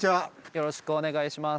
よろしくお願いします。